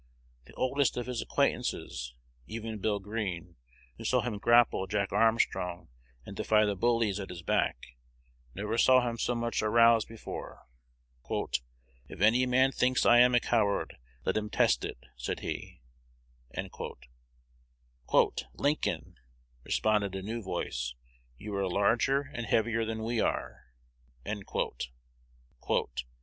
The oldest of his acquaintances, even Bill Green, who saw him grapple Jack Armstrong and defy the bullies at his back, never saw him so much "aroused" before. "If any man thinks I am a coward, let him test it," said he. "Lincoln," responded a new voice, "you are larger and heavier than we are."